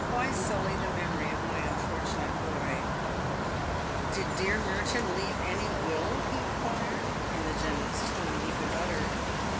"Why sully the memory of my unfortunate boy ?"" Did dear Merton leave any will ?" he inquired, in the gentlest tone he could utter.